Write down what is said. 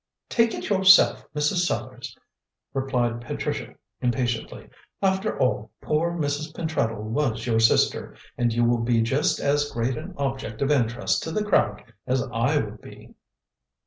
"Take it yourself, Mrs. Sellars," replied Patricia impatiently. "After all, poor Mrs. Pentreddle was your sister, and you will be just as great an object of interest to the crowd as I would be."